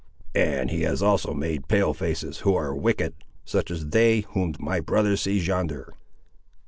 "And he has also made Pale faces, who are wicked. Such are they whom my brother sees yonder."